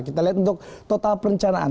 kita lihat untuk total perencanaan